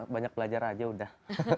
banyak belajar aja udah